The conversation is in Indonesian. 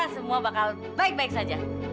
semua bakal baik baik saja